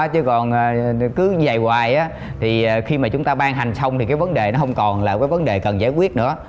chứ còn cứ như vậy hoài thì khi mà chúng ta ban hành xong thì cái vấn đề nó không còn là cái vấn đề cần giải quyết nữa